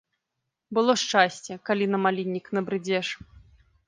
Было шчасце, калі на маліннік набрыдзеш.